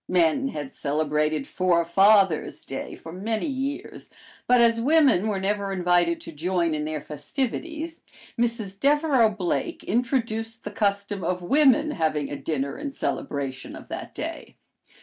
Men had celebrated "Forefathers' Day" for many years, but as women were never invited to join in their festivities, Mrs. Devereux Blake introduced the custom of women having a dinner in celebration of that day.